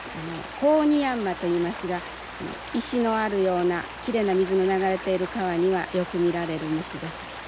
コオニヤンマといいますが石のあるようなきれいな水の流れている川にはよく見られる虫です。